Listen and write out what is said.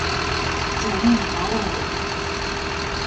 ޖަލާން ހައިރާންވި